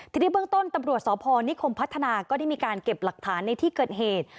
ทีนี้เบื้องต้นตำรวจสพนิคมพัฒนาก็ได้มีการเก็บหลักฐานในที่เกิดเหตุ